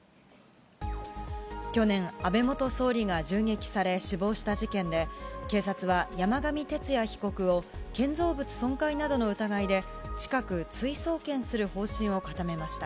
去年、安倍元総理が銃撃され、死亡した事件で、警察は山上徹也被告を、建造物損壊などの疑いで、近く、追送検する方針を固めました。